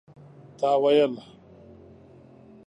تا ويل